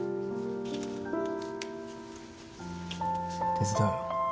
手伝うよ。